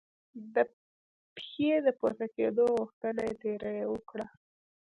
د پښې د پورته کېدو غوښتنه یې ترې وکړه.